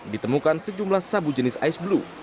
ditemukan sejumlah sabu jenis ice blue